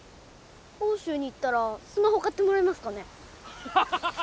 奥州に行ったらスマホ買ってもらえますかね？